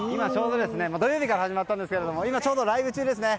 土曜日から始まったんですが今、ちょうどライブ中ですね。